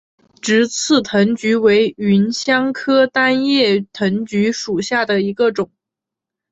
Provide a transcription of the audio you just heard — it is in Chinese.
直刺藤橘为芸香科单叶藤橘属下的一个种。